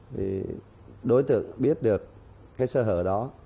thì đối tượng biết được cái sơ hở đó